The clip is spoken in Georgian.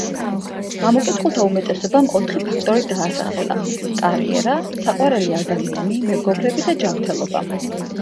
გამოკითხულთა უმეტესობამ ოთხი ფაქტორი დაასახელა: კარიერა, საყვარელი ადამიანი, მეგობრები და ჯანმრთელობა.